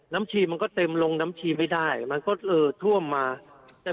น้ำชีมันก็เต็มลงน้ำชีไม่ได้มันก็เออทั่วมาครับ